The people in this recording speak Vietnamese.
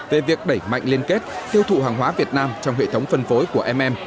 về việc đẩy mạnh liên kết tiêu thụ hàng hóa việt nam trong hệ thống phân phối của mm